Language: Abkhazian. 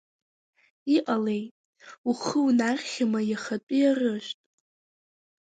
Иҟалеи, ухы унархьыма иахатәи арыжәтә?